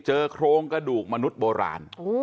เจอโครงกระดูกมนุษย์โบราณ